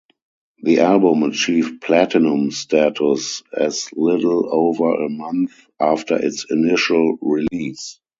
The album achieved platinum status a little over a month after its initial release.